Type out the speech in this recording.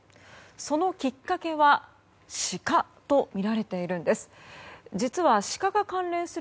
そのきっかけはシカとみられているんです。